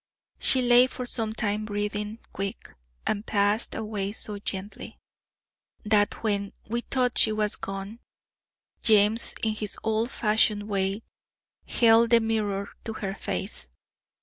She lay for some time breathing quick, and passed away so gently, that when we thought she was gone, James, in his old fashioned way, held the mirror to her face.